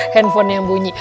handphone yang bunyi